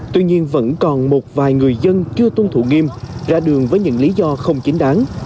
tuy nhiên vẫn còn một vài người dân chưa tuân thủ nghiêm ra đường với những lý do không chính đáng